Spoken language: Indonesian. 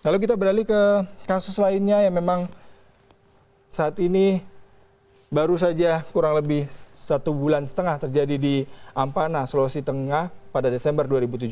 lalu kita beralih ke kasus lainnya yang memang saat ini baru saja kurang lebih satu bulan setengah terjadi di ampana sulawesi tengah pada desember dua ribu tujuh belas